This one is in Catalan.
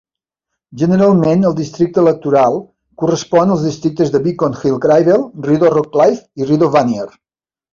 Generalment el districte electoral correspon als districtes de Beacon Hill-Cyrville, Rideau-Rockcliffe i Rideau-Vanier.